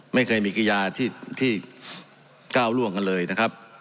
ไม่เคยมีกิยาที่ก้าวล่วงกันเลยนะครับ